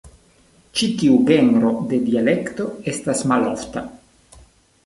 Ĉi tiu genro de dialekto estas malofta.